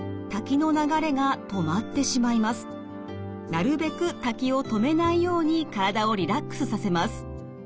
なるべく滝を止めないように体をリラックスさせます。